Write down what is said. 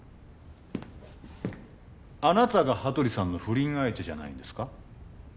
あなたが羽鳥さんの不倫相手じゃないんですか？